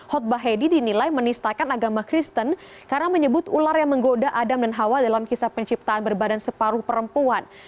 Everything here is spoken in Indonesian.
khutbah hedi dinilai menistakan agama kristen karena menyebut ular yang menggoda adam dan hawa dalam kisah penciptaan berbadan separuh perempuan